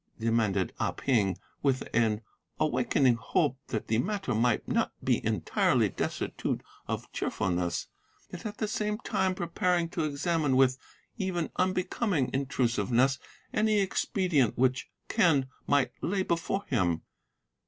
demanded Ah Ping, with an awakening hope that the matter might not be entirely destitute of cheerfulness, yet at the same time preparing to examine with even unbecoming intrusiveness any expedient which Quen might lay before him.